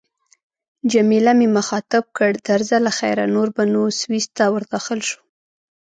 جميله مې مخاطب کړ: درځه له خیره، نور به نو سویس ته ورداخل شو.